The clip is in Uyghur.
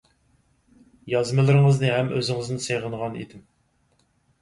يازمىلىرىڭىزنى ھەم ئۆزىڭىزنى سېغىنغان ئىدىم.